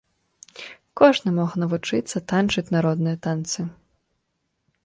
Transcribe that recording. Кожны мог навучыцца танчыць народныя танцы.